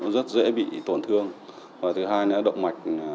rất dễ bị tổn thương và thứ hai là động mạch